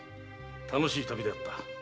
楽しい旅であった。